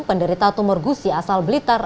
penderita tumor gusi asal blitar